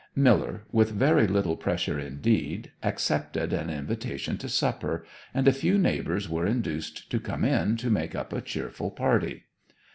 Miller, with very little pressure indeed, accepted an invitation to supper, and a few neighbours were induced to come in to make up a cheerful party.